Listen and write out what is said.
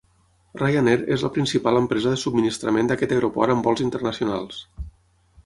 Ryanair és la principal empresa de subministrament d'aquest aeroport amb vols internacionals.